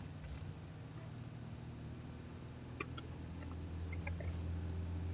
后来交趾太守士燮任命程秉为长史。